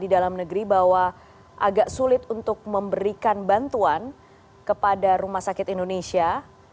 di dalam negeri bahwa agak sulit untuk memberikan bantuan kepada rumah sakit indonesia